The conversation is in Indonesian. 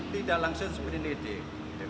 tidak langsung sprenidik